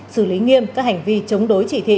xử lý nghiêm các hành vi chống đối chỉ thị